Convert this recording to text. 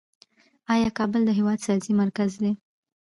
آیا کابل د هیواد سیاسي مرکز دی؟